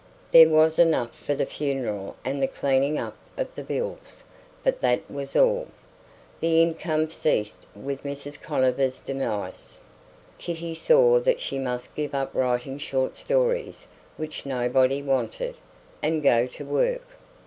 There was enough for the funeral and the cleaning up of the bills; but that was all. The income ceased with Mrs. Conover's demise. Kitty saw that she must give up writing short stories which nobody wanted, and go to work.